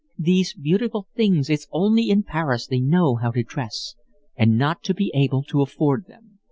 "These beautiful things, it's only in Paris they know how to dress, and not to be able to afford them!